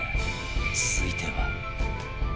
続いては